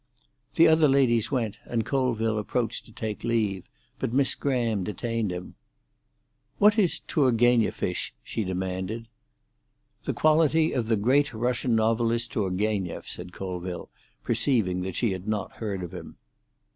The other ladies went, and Colville approached to take leave, but Miss Graham detained him. "What is Tourguéneffish?" she demanded. "The quality of the great Russian novelist, Tourguéneff," said Colville, perceiving that she had not heard of him.